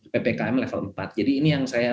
ppkm level empat jadi ini yang saya